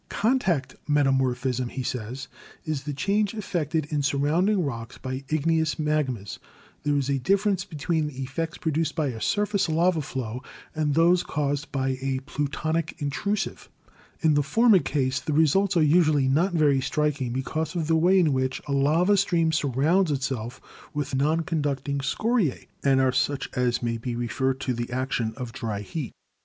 "Contact metamorphism," he says, ''is the change effected in surrounding rocks by igneous magmas. There is a difference between the effects produced by a surface lava flow and those caused by a plutonic intrusive. In the former case the results are usually not very strik ing because of the way in which a lava stream surrounds itself with non conducting scoriae, and are such as may be referred to the action of dry heat.